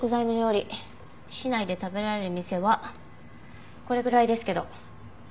市内で食べられる店はこれぐらいですけど。